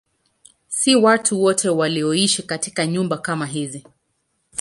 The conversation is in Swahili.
Si watu wote walioishi katika nyumba kama hizi.